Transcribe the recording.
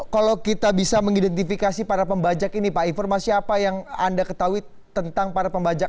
kalau kita bisa mengidentifikasi para pembajak ini pak informasi apa yang anda ketahui tentang para pembajak